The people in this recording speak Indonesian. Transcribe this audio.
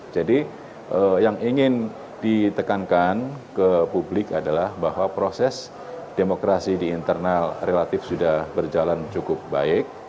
jadi yang ingin ditekankan ke publik adalah bahwa proses demokrasi di internal relatif sudah berjalan cukup baik